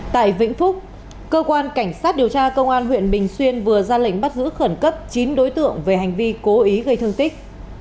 tại vĩnh phúc cơ quan cảnh sát điều tra công an huyện bình xuyên vừa ra lệnh bắt giữ khẩn cấp chín đối tượng về hành vi cố ý gây thương tích